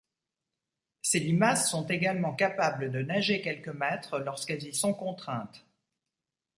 Ces limaces sont également capables de nager quelques mètres lorsqu'elles y sont contraintes.